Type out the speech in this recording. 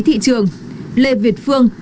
thị trường lê việt phương